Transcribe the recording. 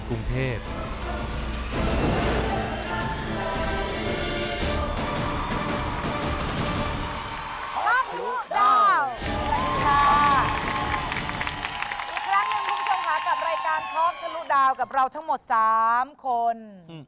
ครอปดูดาวกับเราทั้งหมด๓คน